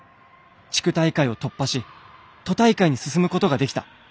地区大会を突破し都大会に進むことができた。